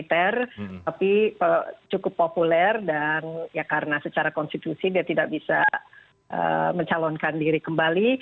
tapi cukup populer dan ya karena secara konstitusi dia tidak bisa mencalonkan diri kembali